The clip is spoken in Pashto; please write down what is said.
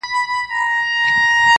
عقل د پښو نه سر ته